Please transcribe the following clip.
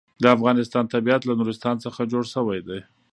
د افغانستان طبیعت له نورستان څخه جوړ شوی دی.